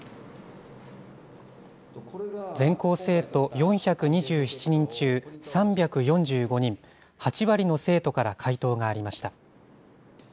全校生徒４２７人中３４５人、８割の生徒から回答がありました。